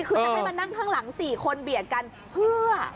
คือจะให้มานั่งข้างหลัง๔คนเบียดกันเพื่อ